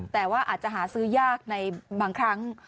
แต่ว่าอาจจะหาซื้อยากในบางครั้ง